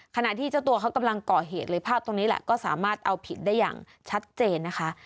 ขณะที่เจ้าตัวเขากำลังก่อเหตุเลยภาพตรงนี้แหละก็สามารถเอาผิดได้อย่างชัดเจนนะคะ